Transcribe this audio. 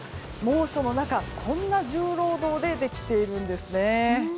猛暑の中、こんな重労働でできているんですね。